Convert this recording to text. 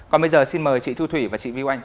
còn bây giờ xin mời chị thu thủy và chị vi anh